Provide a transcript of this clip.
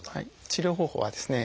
治療方法はですね